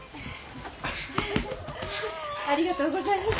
ありがとうございます。